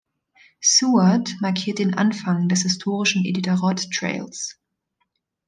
Seward markiert den Anfang des historischen Iditarod Trails.